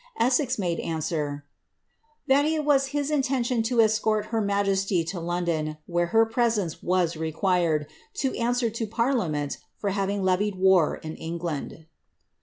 Essex made answer, that it was his intention to escort her majesty to London, where her esence was required, to answer to parliament for having levied war in ogland.''